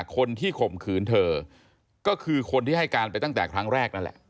ข่มขืนเธอก็คือคนที่ให้การไปตั้งแต่ครั้งแรกนั่นแหละ